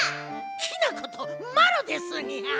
きなことまろですニャ！